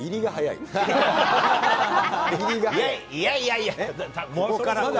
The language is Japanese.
いやいやいや。